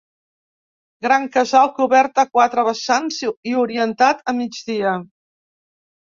Gran casal cobert a quatre vessants i orientat a migdia.